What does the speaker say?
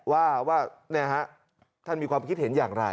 ว่าท่านมีความคิดเห็นอย่างไร